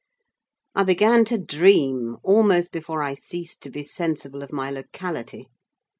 I began to dream, almost before I ceased to be sensible of my locality.